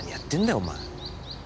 お前